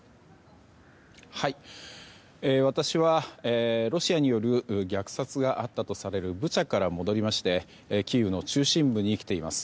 私は、ロシアによる虐殺があったとされるブチャから戻りましてキーウの中心部に来ています。